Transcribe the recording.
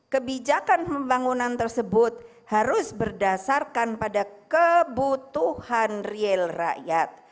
kebijakan pembangunan tersebut harus berdasarkan pada kebutuhan real rakyat